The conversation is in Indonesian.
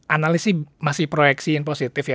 analisi masih proyeksi positif ya